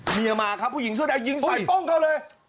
เมียมาครับผู้หญิงซ่อดได้ยินใส่ป้องเขาเลย